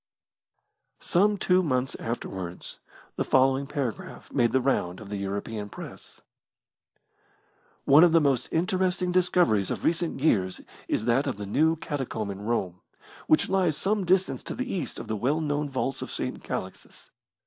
Some two months afterwards the following paragraph made the round of the European Press: One of the most interesting discoveries of recent years is that of the new catacomb in Rome, which lies some distance to the east of the well known vaults of St. Calixtus.